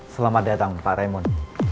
selamat datang pak raymond